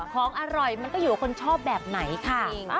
ของอร่อยมันก็อยู่กับคนชอบแบบไหนค่ะ